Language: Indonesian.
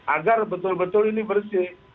agar betul betul ini bersih